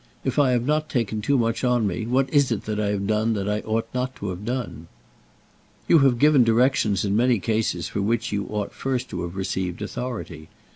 If I have not taken too much on me, what is it that I have done that I ought not to have done?" "You have given directions in many cases for which you ought first to have received authority.